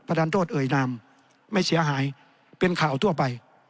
ดันโทษเอ่ยนามไม่เสียหายเป็นข่าวทั่วไป